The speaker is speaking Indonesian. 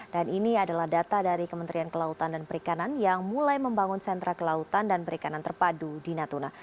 dan ini adalah data dari kementerian kelautan dan perikanan yang mulai membangun sentra kelautan dan perikanan terpadu di natuna